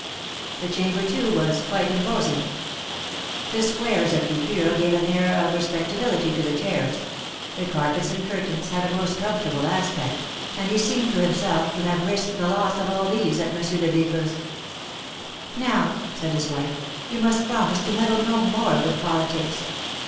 The chamber, too, was quite imposing. The squares of guipure gave an air of respectability to the chairs; the carpets and curtains had a most comfortable aspect, and he seemed to himself, to have risked the loss of all these at Monsieur Lebigre's. ^^Now," said his wife, ^^you must promise to meddle no more with politics.